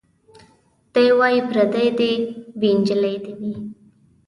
دی وايي پرېدۍ دي وي نجلۍ دي وي